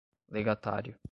legatário